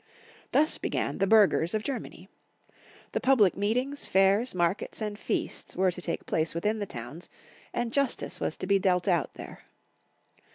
Thus began the burghers of Germany. The public meetings, fairs, markets, and feasts were to take place within the towns, and justice was to be dealt out there.